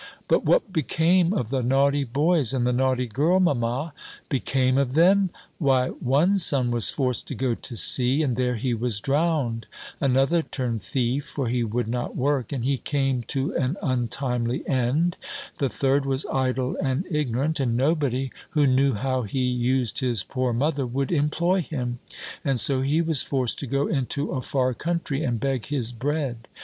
"But what became of the naughty boys, and the naughty girl, mamma?" "Became of them! Why one son was forced to go to sea, and there he was drowned: another turned thief (for he would not work), and he came to an untimely end: the third was idle and ignorant, and nobody, who knew how he used his poor mother, would employ him; and so he was forced to go into a far country, and beg his bread.